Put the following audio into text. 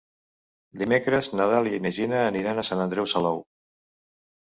Dimecres na Dàlia i na Gina aniran a Sant Andreu Salou.